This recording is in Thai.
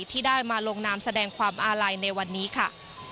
ที่ได้มาลงนามแสดงความอาลัยในวันนี้ค่ะ